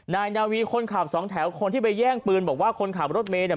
นายนาวีคนขับสองแถวคนที่ไปแย่งปืนบอกว่าคนขับรถเมย์เนี่ย